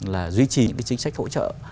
là duy trì những cái chính sách hỗ trợ